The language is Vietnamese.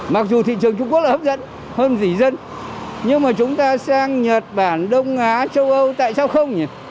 mặc dù thị trường trung quốc là hấp dẫn hơn gì dân nhưng mà chúng ta sang nhật bản đông á châu âu tại sao không